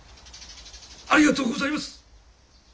ありがとうございます！